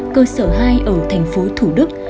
cơ sở hai ở tp thủ đức